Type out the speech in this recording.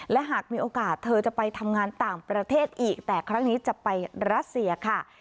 และหากมีโอกาสเธอจะไปทำงานต่างประเทศอีกแต่ครั้งนี้จะไปรัสเซียค่ะ